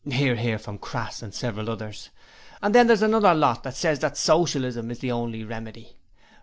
("Hear, hear" from Crass and several others.) And then there's another lot that ses that Socialism is the only remedy.